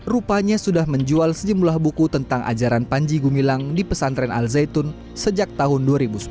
rupanya sudah menjual sejumlah buku tentang ajaran panji gumilang di pesantren al zaitun sejak tahun dua ribu sepuluh